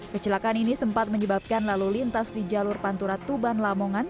kecelakaan ini sempat menyebabkan lalu lintas di jalur pantura tuban lamongan